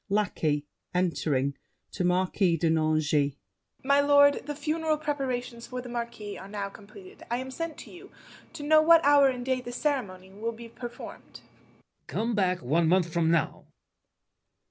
LACKEY (entering, to Marquis de Nangis). My lord, The funeral preparations for the Marquis Are now completed. I am sent to you To know what hour and day the ceremony Will be performed. LAFFEMAS. Come back one month from now.